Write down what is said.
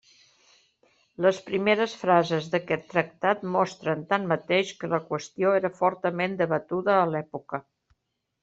Les primeres frases d'aquest tractat mostren, tanmateix, que la qüestió era fortament debatuda a l'època.